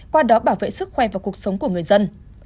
qua đó bảo vệ sức khỏe và cuộc sống của người dân